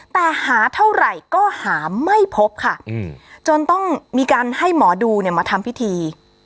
แต่หาเท่าไหร่ก็หาไม่พบค่ะจนต้องมีการให้หมอดูมาทำพิธี